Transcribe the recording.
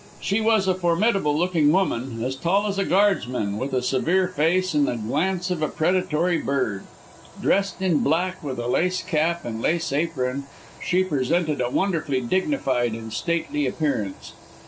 She was a formidable looking woman, as tall as a Guardsman, with a severe face and the glance of a predatory bird. Dressed in black, with a lace cap and lace apron, she presented a wonderfully dignified and stately appearance.